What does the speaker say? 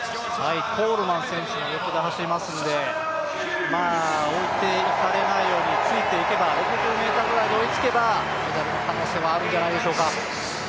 コールマン選手もいい走りしますので置いていかれないようについていけば、６０ｍくらいまで追いついていけば、メダルの可能性はあるんじゃないでしょうか？